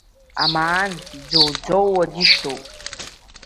Амаан дӡоуӡоууа дишьҭоп.